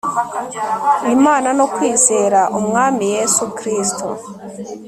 Imana no kwizera Umwami Yesu Kristo